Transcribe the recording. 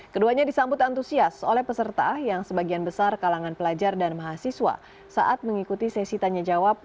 keduanya disambut antusias oleh peserta yang sebagian besar kalangan pelajar dan mahasiswa saat mengikuti sesi tanya jawab